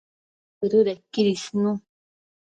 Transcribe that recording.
Sëdëdequid isnu